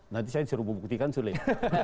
nanti saya disuruh membuktikan sulit